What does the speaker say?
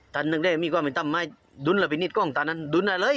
ตันมีกว่าไม่ตามไม่ดุนละบินิดก้องตอนนั้นดุนอะไรเลย